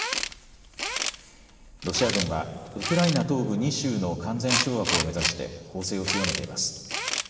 ロシア軍はウクライナ東部２州の完全掌握を目指して攻勢を強めています。